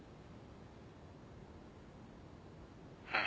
うん。